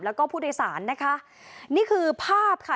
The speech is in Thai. แล้วก็ผู้โดยสารนะคะนี่คือภาพค่ะ